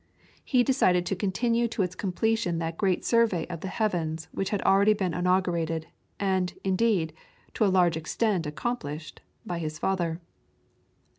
He decided to continue to its completion that great survey of the heavens which had already been inaugurated, and, indeed, to a large extent accomplished, by his father.